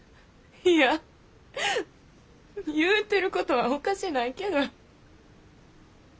いや言うてることはおかしないけど。